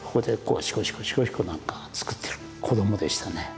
シコシコ何か作ってる子どもでしたね。